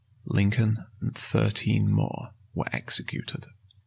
Lincoln and thirteen more were executed.